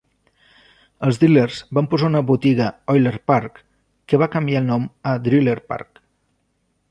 Els Drillers van posar una botiga Oiler Park, que va canviar el nom a Driller Park.